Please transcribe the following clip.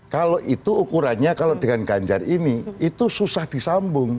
kalau itu ukurannya kalau dengan ganjar ini itu susah disambung